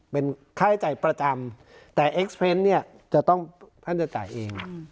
เป็นค่าใช้จ่ายประจำแต่เนี่ยจะต้องพันธุ์จ่ายเอง